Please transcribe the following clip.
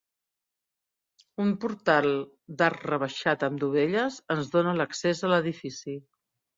Un portal d'arc rebaixat amb dovelles, ens dóna l'accés a l'edifici.